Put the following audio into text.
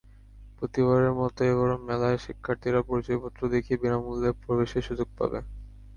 প্রতিবারের মতো এবারও মেলায় শিক্ষার্থীরা পরিচয়পত্র দেখিয়ে বিনামূল্যে প্রবেশের সুযোগ পাবে।